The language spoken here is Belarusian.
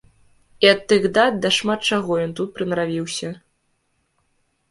І ад тых дат да шмат чаго ён тут прынаравіўся.